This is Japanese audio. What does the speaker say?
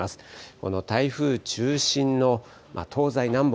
この台風中心の東西南北